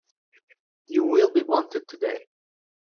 You will be wanted today.